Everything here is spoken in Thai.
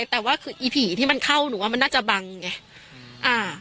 แต่ว่าคืออีผีที่มันเข้าหนูว่ามันน่าจะบังไง